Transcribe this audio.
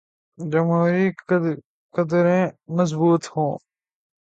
جمہوری قدریں مضبوط ہوں۔